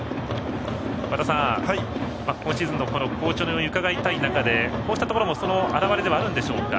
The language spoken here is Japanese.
和田さん、今シーズンの好調の理由を伺いたい中でこうしたところもその表れではあるんでしょうか？